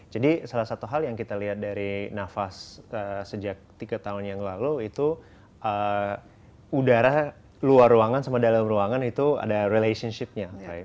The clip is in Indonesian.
jadi salah satu hal yang kita lihat dari nafas sejak tiga tahun yang lalu itu udara luar ruangan sama dalam ruangan itu ada relationship nya